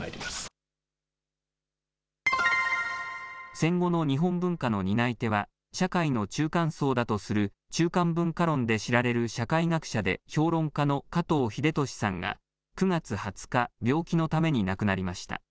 戦後の日本文化の担い手は社会の中間層だとする中間文化論で知られる社会学者で評論家の加藤秀俊さんが９月２０日病気のために亡くなりました。